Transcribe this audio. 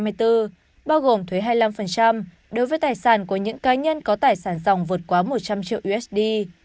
bao gồm thuế hai mươi năm đối với tài sản của những cá nhân có tài sản dòng vượt quá một trăm linh triệu usd